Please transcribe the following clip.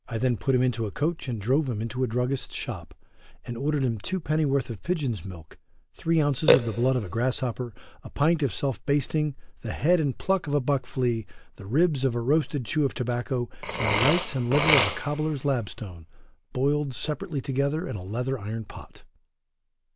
I then put him into a coach and drove him into a druggist's shop and ordered him two pennyworth of pigeon's milk, three ounces of the blood of a grasshopper, a pint of self basting, the head and pluck of a buck flea, the ribs of a roasted chew of tobacco, and the lights and liver of a cobbler's lapstone, boiled separately altogether in a leather iron pot.